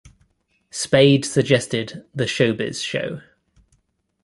Spade suggested "The Showbiz Show".